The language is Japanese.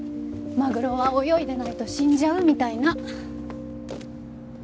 マグロは泳いでないと死んじゃうみたいな。